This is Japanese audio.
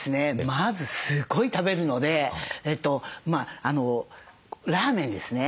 まずすごい食べるのでラーメンですね。